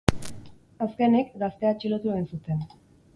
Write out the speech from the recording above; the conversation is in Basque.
Azkenik, gaztea atxilotu egin zuten.